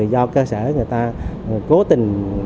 do cơ sở người ta cố tình